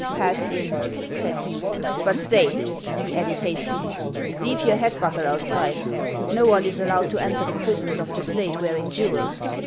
" Pass in," said he. " But stay," he added hastily, " leave your hat buckle outside. Xo one is allowed to enter the prisons of the State wearing jewels.